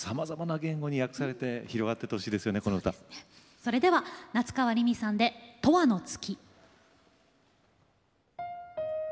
それでは夏川りみさんで「永遠の月」。